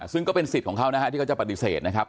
ซึ่งก็เป็นสิทธิ์ของเขานะฮะที่เขาจะปฏิเสธนะครับ